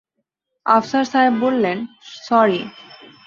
আফসার সাহেব বললেন, সরি।